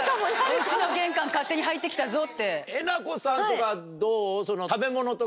うちの玄関勝手に入ってきたぞって。